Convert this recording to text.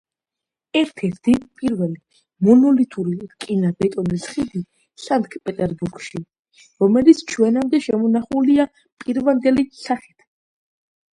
ერთ-ერთი პირველი მონოლითური რკინა-ბეტონის ხიდი სანქტ-პეტერბურგში, რომელიც ჩვენამდე შემონახულია პირვანდელი სახით.